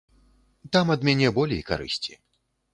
Там ад мяне болей карысці.